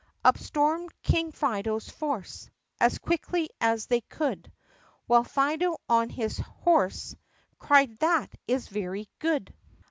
Up stormed King Fido's force As quickly as they could While Fido on his horse Cried, "That is very good